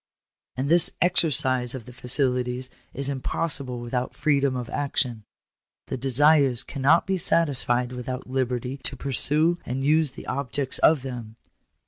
"And this exercise of the faculties is impossible without freedom of action. The desires cannot be satisfied without liberty to pursue and use the objects of them."